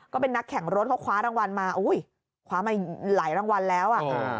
ก็เป็นนักแข่งรถเขาคว้ารางวัลมาอุ้ยคว้ามาหลายรางวัลแล้วอ่ะ